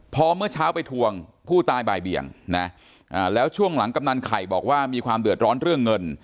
พอเมื่อเช้าไปทวงผู้ตายบ่ายเบี่ยงนะแล้วช่วงหลังกำนันไข่บอกว่ามีความเดือดร้อนเรื่องเงิน